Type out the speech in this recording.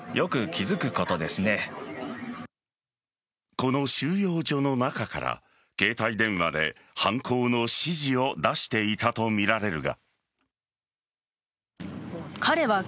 この収容所の中から携帯電話で犯行の指示を出していたとみられるが。